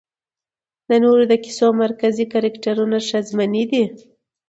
د نورو د کيسو مرکزي کرکټرونه ښځمنې دي